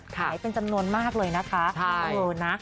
เป็นจำนวนมากเลยนะคะ